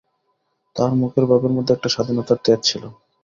তাহার মুখের ভাবের মধ্যে একটা স্বাধীনতার তেজ ছিল।